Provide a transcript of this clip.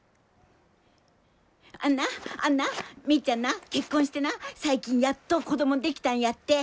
あんなあんなみっちゃんな結婚してな最近やっと子供できたんやって！